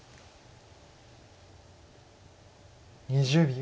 ２０秒。